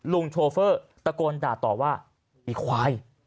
โชเฟอร์ตะโกนด่าต่อว่าไอ้ควาย